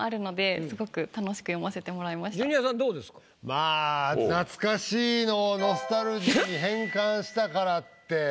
まあ「懐かしい」を「ノスタルジー」に変換したからって。